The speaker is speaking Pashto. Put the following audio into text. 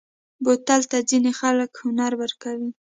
بوتل ته ځینې خلک هنر ورکوي.